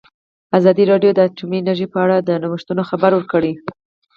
ازادي راډیو د اټومي انرژي په اړه د نوښتونو خبر ورکړی.